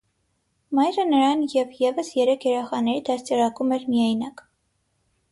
Մայրը նրան և ևս երեք երեխաների դաստիարակում էր միայնակ։